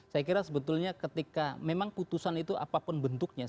saya kira sebetulnya ketika memang putusan itu apapun bentuknya